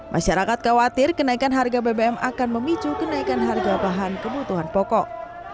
masyarakat khawatir kenaikan harga bbm akan memicu kenaikan harga bahan kebutuhan pokok